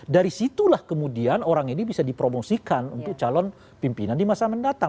dari situlah kemudian orang ini bisa dipromosikan untuk calon pimpinan di masa mendatang